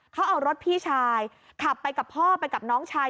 เขาเอารถพี่ชายขับไปกับพ่อไปกับน้องชาย